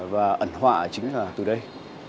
và ẩn họa chính là từ đây